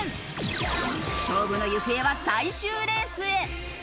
勝負の行方は最終レースへ。